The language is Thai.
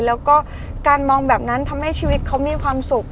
แล้วก็การมองแบบนั้นทำให้ชีวิตเขามีความสุข